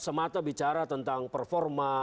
semata bicara tentang performa